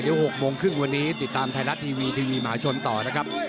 เดี๋ยว๖โมงครึ่งวันนี้ติดตามไทยรัฐทีวีทีวีมหาชนต่อนะครับ